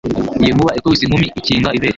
Iyo inkuba ikubise inkumi ikinga ibere